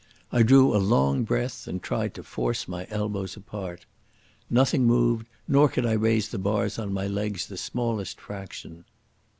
I drew a long breath and tried to force my elbows apart. Nothing moved, nor could I raise the bars on my legs the smallest fraction.